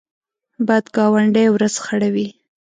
بد ګاونډی ورځ خړوي